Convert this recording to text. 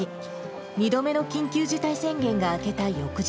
２度目の緊急事態宣言が明けた翌日。